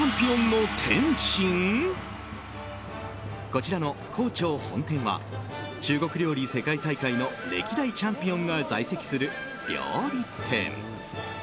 こちらの皇朝本店は中国料理世界大会の歴代チャンピオンが在籍する料理店。